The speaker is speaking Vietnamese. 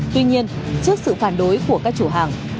tuy nhiên trước sự phản đối của các chủ hàng